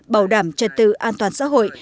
bảo đảm trật tự an toàn xã hội